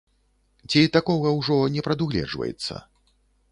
Ці такога ўжо не прадугледжваецца?